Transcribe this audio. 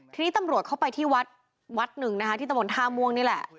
ทีนี้ตำรวจเข้าไปที่วัดวัดหนึ่งนะคะที่ตะบนท่าม่วงนี่แหละ